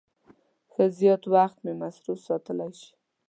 ښه زیات وخت مې مصروف ساتلای شي.